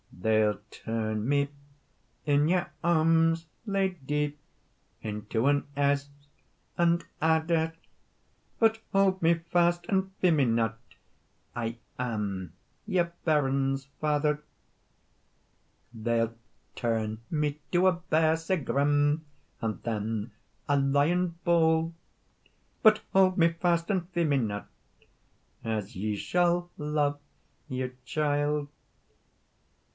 "They'll turn me in your arms, lady, Into an esk and adder; But hold me fast, and fear me not, I am your bairn's father. "They'll turn me to a bear sae grim, And then a lion bold; But hold me fast, and fear me not, As ye shall love your child.